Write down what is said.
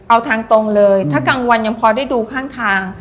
เอาทางตรงเลยถ้ากลางวันยังพอได้ดูข้างทาง